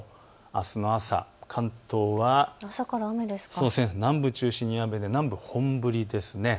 あすの朝、関東は南部を中心に雨で南部は本降りです。